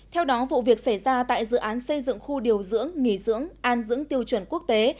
theo đó vụ việc xảy ra tại dự án xây dựng khu điều dưỡng nghỉ dưỡng an dưỡng tiêu chuẩn quốc tế